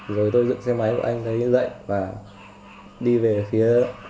rồi tôi dựng xe máy của anh ấy dậy và đi về phía